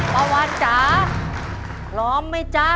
ป้าวันจ๋าพร้อมไหมจ๊ะ